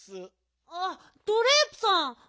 あっドレープさん。